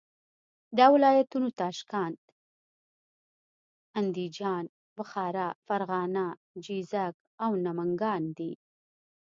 دا ولایتونه تاشکند، اندیجان، بخارا، فرغانه، جیزک او نمنګان دي.